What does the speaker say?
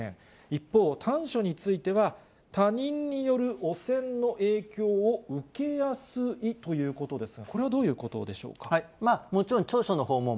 一方、短所については、他人による汚染の影響を受けやすいということですが、これはどうもちろん長所のほうも、